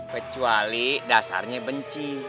kecuali dasarnya benci